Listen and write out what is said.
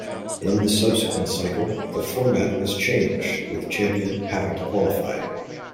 In the subsequent cycle, the format was changed, with the champion having to qualify.